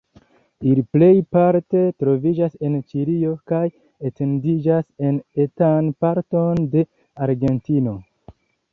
Ili plejparte troviĝas en Ĉilio kaj etendiĝas en etan parton de Argentino.